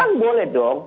kan boleh dong